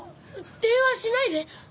電話しないで！